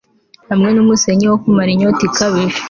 hamwe numusenyi wo kumara inyota ikabije